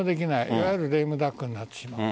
いわゆるゲームダックになってしまう。